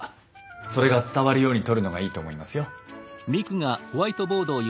それが伝わるように撮るのがいいと思いますよ。